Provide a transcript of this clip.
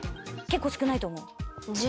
結構少ないと思う。